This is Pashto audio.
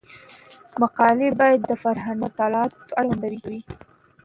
مقالې باید د فرهنګي مطالعاتو اړوند وي.